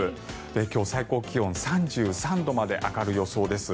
今日、最高気温３３度まで上がる予想です。